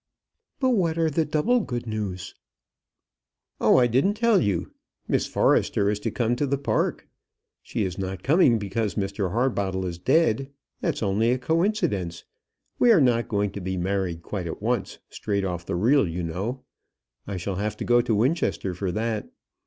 "But what are the double good news?" "Oh, I didn't tell you. Miss Forrester is to come to the Park. She is not coming because Mr Harbottle is dead. That's only a coincidence. We are not going to be married quite at once, straight off the reel, you know. I shall have to go to Winchester for that.